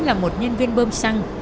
là một nhân viên bơm xăng